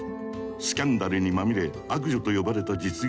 スキャンダルにまみれ「悪女」と呼ばれた実業家